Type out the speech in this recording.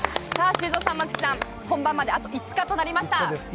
修造さん、松木さん本番まであと５日となりました。